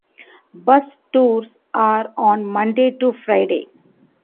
Bus tours are on Monday to Friday.